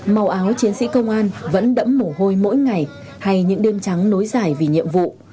màu áo chiến sĩ công an vẫn đẫm mồ hôi mỗi ngày hay những đêm trắng nối dài vì nhiệm vụ